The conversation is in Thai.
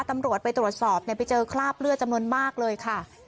ตำรวจไปตรวจสอบไปเจอคราบเลือดจำนวนมากเลยค่ะ